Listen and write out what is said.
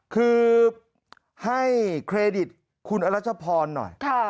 คือให้เครดิตคุณอรัชพรหน่อย